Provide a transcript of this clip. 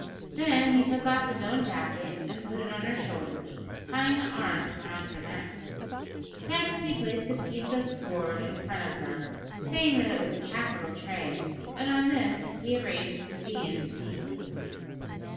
Then he took off his own jacket and put it on her shoulders, tying the arms round her neck. Next he placed a piece of board in front of her, saying that it was a capital tray, and on this he arranged the viands neatly.